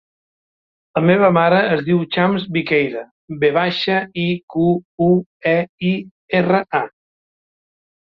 La meva mare es diu Chams Viqueira: ve baixa, i, cu, u, e, i, erra, a.